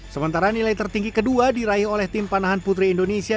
sementara nilai tertinggi kedua diraih oleh tim panahan putri indonesia